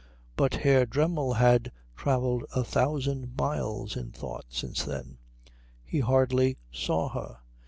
But Herr Dremmel had travelled a thousand miles in thought since then. He hardly saw her.